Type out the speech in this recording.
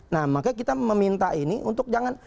nah makanya kita meminta ini untuk jangan